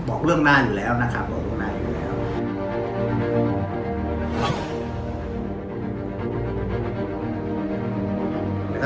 บอกเรื่องหน้าอยู่แล้วนะครับบอกล่วงหน้าอยู่แล้ว